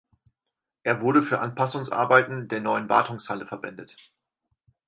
Er wurde für Anpassungsarbeiten der neuen Wartungshalle verwendet.